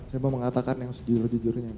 saya mau mengatakan yang sejujurnya